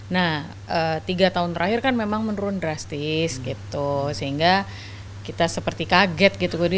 nah tiga tahun terakhir kan memang menurun drastis gitu sehingga kita seperti kaget gitu